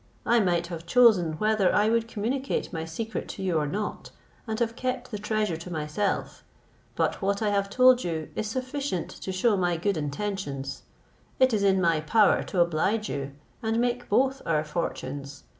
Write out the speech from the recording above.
I might have chosen whether I would communicate my secret to you or not, and have kept the treasure to myself: but what I have told you is sufficient to shew my good intentions; it is in my power to oblige you, and make both our fortunes.